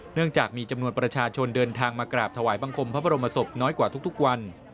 เนื่องจากมีจำนวนประชาชนเดินทางมากราบถวายบังคมพระบรมศพน้อยกว่าทุกวัน